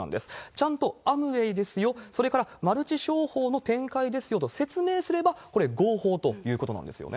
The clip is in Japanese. ちゃんとアムウェイですよ、それからマルチ商法の展開ですよと説明すれば、これ、合法ということなんですよね。